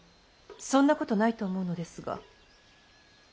そんなことないと思うのですが。